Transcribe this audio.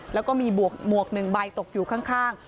แล้วก็มีหมวก๑ใบตกอยู่ข้าง